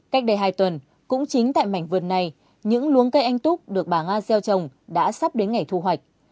cách đây hai tuần cũng chính tại mảnh vườn này những luống cây anh túc được bà nga gieo trồng đã sắp đến ngày thu hoạch